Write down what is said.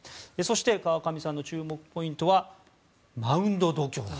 川上さんの注目ポイントはマウンド度胸と。